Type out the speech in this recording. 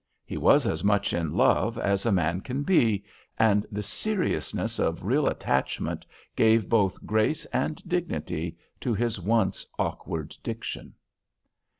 He was as much in love as a man can be, and the seriousness of real attachment gave both grace and dignity to his once awkward diction.